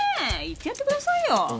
言ってやってくださいよ